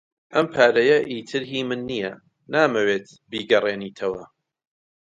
ئەم پارەیە ئیتر هی من نییە. نامەوێت بیگەڕێنیتەوە.